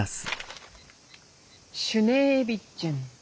シュネービッチェン。